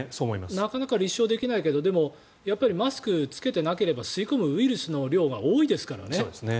なかなか立証できないけどマスクを着けていなければ吸い込むウイルスの量が多いですからね。